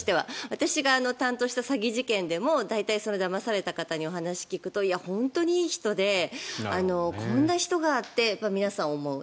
私が担当した詐欺事件でも大体だまされた方にお話を聞くと本当にいい人でこんな人がって皆さん思う。